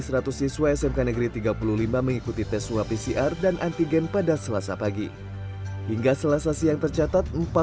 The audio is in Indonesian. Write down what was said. seratus siswa smk negeri tiga puluh lima mengikuti tes swab pcr dan antigen pada selasa pagi hingga selasa siang tercatat